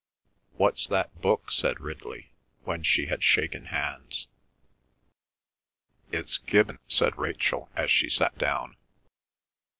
"What's that book?" said Ridley, when she had shaken hands. "It's Gibbon," said Rachel as she sat down.